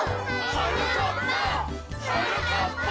はなかっぱ！